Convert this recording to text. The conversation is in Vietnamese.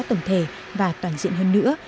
tổng thể và toàn diện hơn nữa